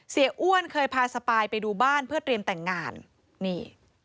อ้วนเคยพาสปายไปดูบ้านเพื่อเตรียมแต่งงานนี่